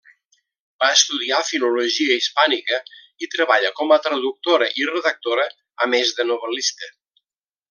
Va estudiar filologia hispànica i treballa com a traductora i redactora, a més de novel·lista.